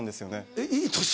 えっいい年？